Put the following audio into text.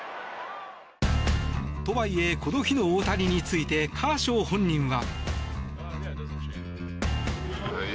とはいえ、この日の大谷についてカーショー本人は。